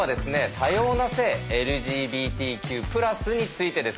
多様な性「ＬＧＢＴＱ＋」についてです。